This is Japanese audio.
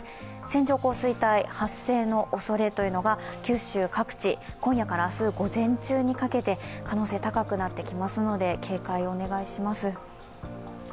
線状降水帯発生のおそれというのが九州各地、今夜から明日午前中にかけて可能性が高くなってきますので、警戒をお願いします。